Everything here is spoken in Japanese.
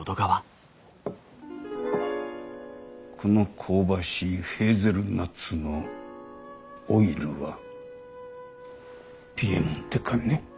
この香ばしいヘーゼルナッツのオイルはピエモンテかね？